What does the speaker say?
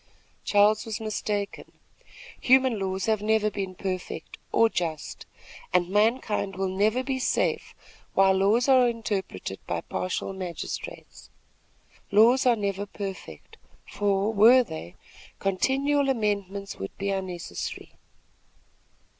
Charles was mistaken. Human laws have never been perfect or just, and mankind will never be safe while laws are interpreted by partial magistrates. Laws are never perfect, for, were they, continual amendments would be unnecessary.